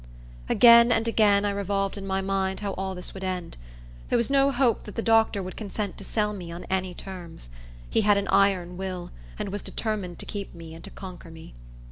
Again and again I revolved in my mind how all this would end. There was no hope that the doctor would consent to sell me on any terms. He had an iron will, and was determined to keep me, and to conquer me.